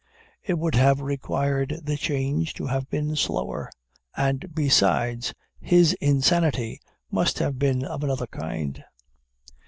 It would have required the change to have been slower; and besides, his insanity must have been of another kind.